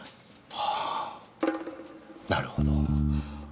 はあなるほど。